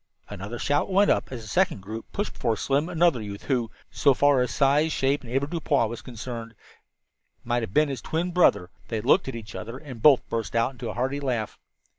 Another shout went up as a second group pushed before Slim another youth who, so far as size, shape and avoirdupois was concerned, might have been his twin brother. They looked at each other and both burst into a hearty laugh.